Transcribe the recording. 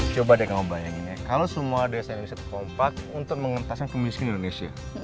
coba deh kamu bayangin ya kalau semua desa indonesia kompak untuk mengentaskan kemiskinan indonesia